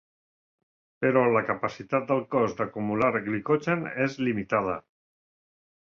Però la capacitat del cos d'acumular glicogen és limitada.